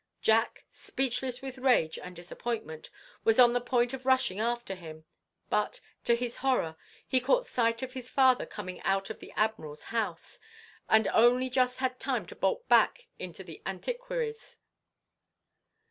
Jack, speechless with rage and disappointment, was on the point of rushing after him, but, to his horror, he caught sight of his father coming out of the Admiral's house, and only just had time to bolt back into the Antiquary's.